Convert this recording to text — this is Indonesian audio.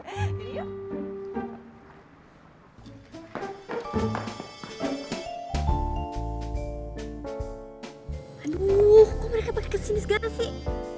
aduh kok mereka pakai kesini segala sih